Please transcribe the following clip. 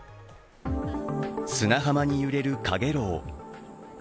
砂浜に揺れるかげろう。